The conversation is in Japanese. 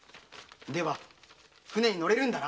では船に乗れるのだな？